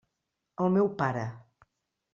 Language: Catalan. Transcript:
El meu pare.